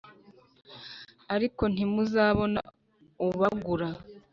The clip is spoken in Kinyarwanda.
ariko ntimuzabona ubagura”